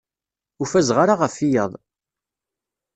Ur fazeɣ ara ɣef wiyaḍ.